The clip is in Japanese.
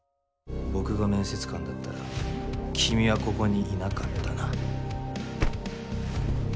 僕が面接官だったら君はここにいなかったな。